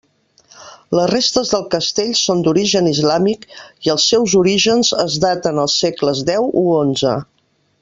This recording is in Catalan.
Les restes del castell són d'origen islàmic, i els seus orígens es daten als segles deu o onze.